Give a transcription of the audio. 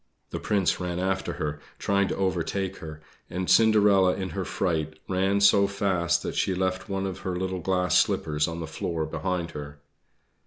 The Prince ran after her, trying to overtake her; and Cinderella in her fright ran so fast that she left one of her little glass slippers on the floor behind her.